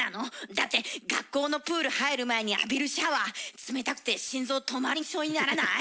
だって学校のプール入る前に浴びるシャワー冷たくて心臓止まりそうにならない？